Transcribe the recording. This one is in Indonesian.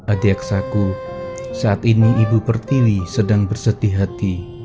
adiaksaku saat ini ibu pertiwi sedang bersedih hati